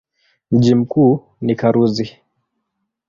Mji mkuu ni Karuzi.